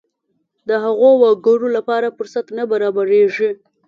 د هغو وګړو لپاره فرصت نه برابرېږي.